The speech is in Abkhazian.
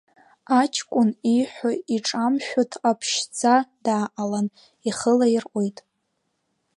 Аҷкәын ииҳәо иҿамшәо дҟаԥшьӡа дааҟалан, ихы лаирҟәит.